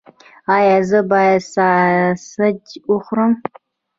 ایا زه باید ساسج وخورم؟